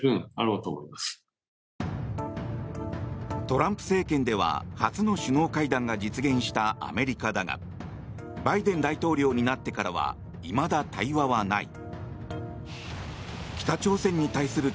トランプ政権では初の首脳会談が実現したアメリカだがバイデン大統領になってからはいまだ対話はない。